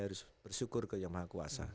harus bersyukur ke yang maha kuasa